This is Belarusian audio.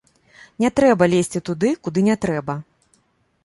Не трэба лезці туды, куды не трэба!